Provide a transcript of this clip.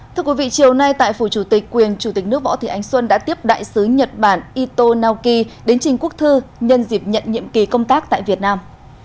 thưa quý vị chiều nay tại phủ chủ tịch quyền chủ tịch nước võ thị ánh xuân đã tiếp đại sứ nhật bản ito naoki đến trình quốc thư nhân dịp nhận nhiệm kỳ công tác tại việt nam